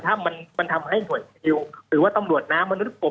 ถ้ำมันทำให้ห่วงหรือว่าต้องรวจน้ำมนุษย์ปฎิปบ